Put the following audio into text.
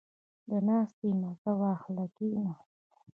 • د ناستې مزه واخله، کښېنه.